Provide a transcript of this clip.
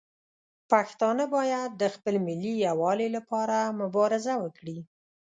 پښتانه باید د خپل ملي یووالي لپاره مبارزه وکړي.